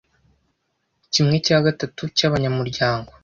Kimwe cya gatatu cyabanyamuryango